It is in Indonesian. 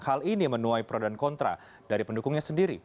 hal ini menuai pro dan kontra dari pendukungnya sendiri